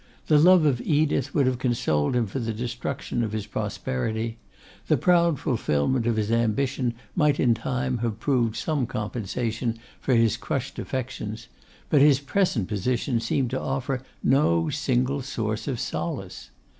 The love of Edith would have consoled him for the destruction of his prosperity; the proud fulfilment of his ambition might in time have proved some compensation for his crushed affections; but his present position seemed to offer no single source of solace.